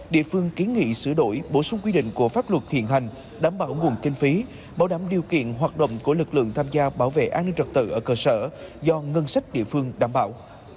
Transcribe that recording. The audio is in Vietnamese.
địa phương kiến nghị sửa đổi bổ sung quy định của pháp luật hiện hành đảm bảo nguồn kinh phí bảo đảm điều kiện hoạt động của lực lượng tham gia bảo vệ an ninh trật tự ở cơ sở do ngân sách địa phương đảm bảo